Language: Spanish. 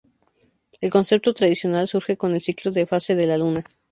El concepto tradicional surge con el ciclo de fase de la luna.